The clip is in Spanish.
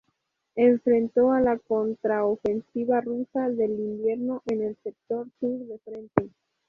Enfrentó la contraofensiva rusa del invierno en el sector sur del frente.